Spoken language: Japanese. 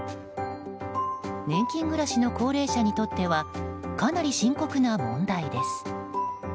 年金暮らしの高齢者にとってはかなり深刻な問題です。